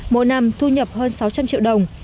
mỗi năm thu nhập hơn sáu trăm linh triệu đồng